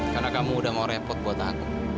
karena kamu udah mau repot buat aku